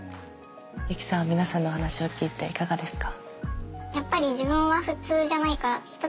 ユキさん皆さんの話を聞いていかがですか？